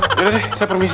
yaudah deh saya permisi